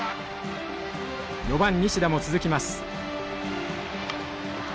４番西田も続きます。